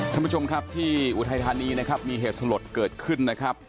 ท่านผู้ชมครับที่อุทัยธานีนะครับมีเหตุสลดเกิดขึ้นนะครับ